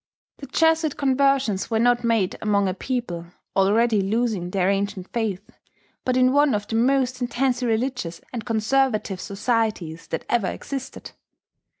The Jesuit conversions were not made among a people already losing their ancient faith, but in one of the most intensely religious and conservative societies that ever existed.